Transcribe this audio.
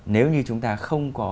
nếu như chúng ta không có